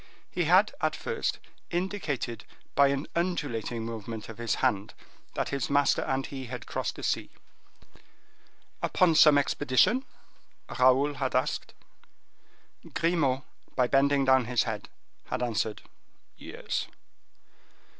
He had, at first, indicated by an undulating movement of his hand, that his master and he had crossed the sea. "Upon some expedition?" Raoul had asked. Grimaud by bending down his head had answered, "Yes."